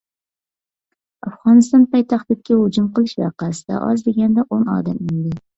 ئافغانىستان پايتەختىدىكى ھۇجۇم قىلىش ۋەقەسىدە ئاز دېگەندە ئون ئادەم ئۆلدى.